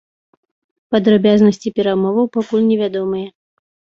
Падрабязнасці перамоваў пакуль невядомыя.